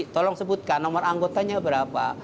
tolong sebutkan nomor anggotanya berapa